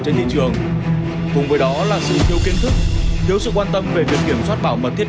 trên thị trường cùng với đó là sự thiếu kiến thức thiếu sự quan tâm về việc kiểm soát bảo mật thiết